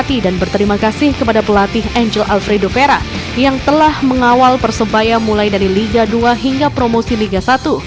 dengan masuknya bejo sugiantoro sebagai pelatih angel alfredo vera yang telah mengawal persebaya mulai dari liga dua hingga promosi liga satu